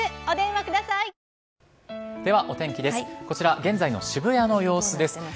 こちら、現在の渋谷の様子です。